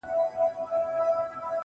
وغورځول.